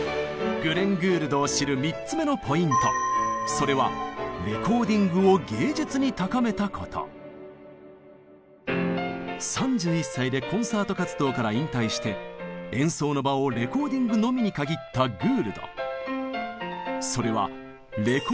それは３１歳でコンサート活動から引退して演奏の場をレコーディングのみに限ったグールド。